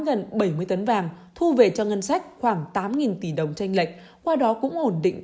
gần bảy mươi tấn vàng thu về cho ngân sách khoảng tám tỷ đồng tranh lệch qua đó cũng ổn định